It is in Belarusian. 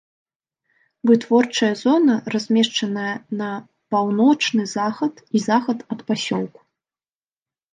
Вытворчая зона размешчаная на паўночны захад і захад ад пасёлку.